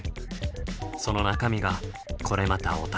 その中身がこれまたお宝。